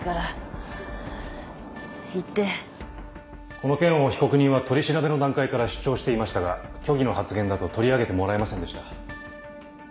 この件を被告人は取り調べの段階から主張していましたが虚偽の発言だと取り上げてもらえませんでした。